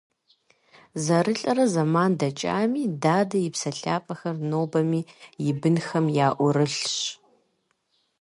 ЗэрылӀэрэ зэман дэкӀами, дадэ и псэлъафэхэр нобэми и бынхэм яӀурылъщ.